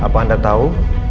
apa anda tau